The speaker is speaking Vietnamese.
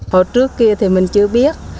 hồi trước kia thì mình chưa biết